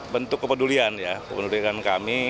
bentuk kepedulian ya kependudukan kami